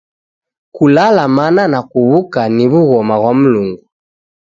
Kulala mana na kuw'uka ni w'ughoma ghwa Mlungu.